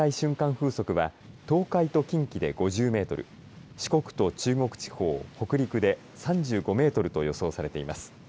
風速は東海と近畿で５０メートル、四国と中国地方、北陸で３５メートルと予想されています。